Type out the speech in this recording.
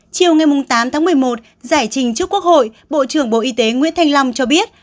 chiều ngày tám tháng một mươi một giải trình trước quốc hội bộ trưởng bộ y tế nguyễn thanh long cho biết